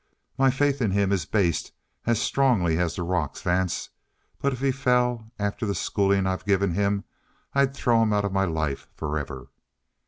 "My faith in him is based as strongly as the rocks, Vance. But if he fell, after the schooling I've given him, I'd throw him out of my life forever."